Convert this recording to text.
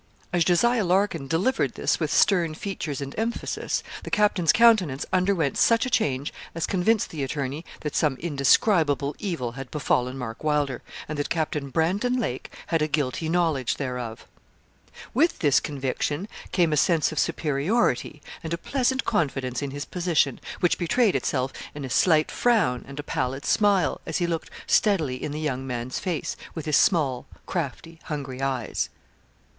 As Jos. Larkin delivered this with stern features and emphasis, the captain's countenance underwent such a change as convinced the attorney that some indescribable evil had befallen Mark Wylder, and that Captain Brandon Lake had a guilty knowledge thereof. With this conviction came a sense of superiority and a pleasant confidence in his position, which betrayed itself in a slight frown and a pallid smile, as he looked steadily in the young man's face, with his small, crafty, hungry eyes.